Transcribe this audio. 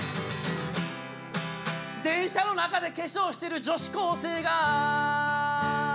「電車の中で化粧してる女子高生が」